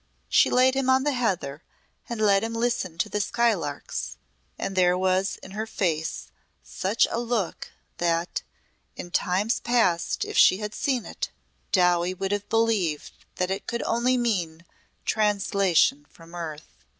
She laid him on the heather and let him listen to the skylarks and there was in her face such a look, that, in times past if she had seen it, Dowie would have believed that it could only mean translation from earth.